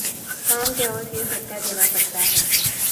کام کے عوض یہ صدقہ دینا پڑتا ہے۔